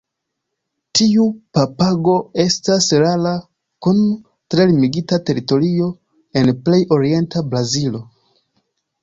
Tiu papago estas rara kun tre limigita teritorio en plej orienta Brazilo.